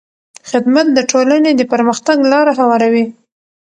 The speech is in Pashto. خدمت د ټولنې د پرمختګ لاره هواروي.